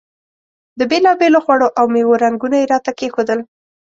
د بېلابېلو خوړو او میوو رنګونه یې راته کېښودل.